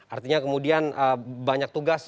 artinya kemudian banyak tugas